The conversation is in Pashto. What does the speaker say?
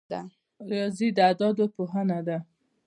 ریاضي د اعدادو پوهنه ده